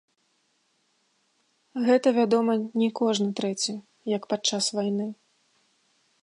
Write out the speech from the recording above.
Гэта, вядома, не кожны трэці, як падчас вайны.